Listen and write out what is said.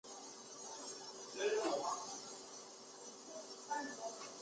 字叔胄。